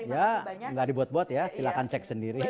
ya nggak dibuat buat ya silahkan cek sendiri